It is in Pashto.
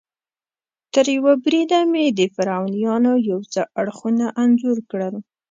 تریوه بریده مې د فرعونیانو یو څه اړخونه انځور کړل.